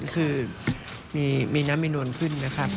คือมีน้ำมีนวลขึ้นนะครับ